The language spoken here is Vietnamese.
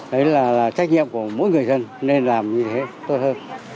đấy là trách nhiệm của mỗi người dân nên làm như thế tốt hơn